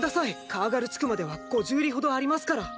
カーガル地区までは５０里ほどありますから。